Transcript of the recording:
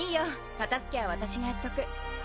片づけは私がやっとく。